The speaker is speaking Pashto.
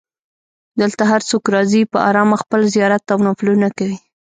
دلته هر څوک راځي په ارامه خپل زیارت او نفلونه کوي.